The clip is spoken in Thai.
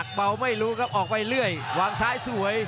เบาไม่รู้ครับออกไปเรื่อยวางซ้ายสวย